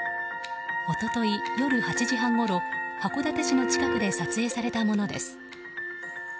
一昨日夜８時半ごろ函館市の近くで撮影されたものです。